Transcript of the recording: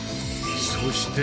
そして